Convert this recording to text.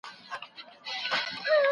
زه اوږده وخت ونې ته اوبه ورکوم وم.